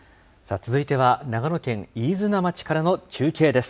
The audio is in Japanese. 続いては、長野県飯綱町からの中継です。